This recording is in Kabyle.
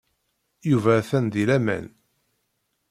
Yuba atan deg laman.